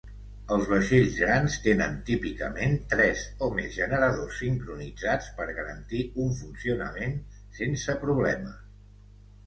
Els vaixells grans tenen típicament tres o més generadors sincronitzats per garantir un funcionament sense problemes.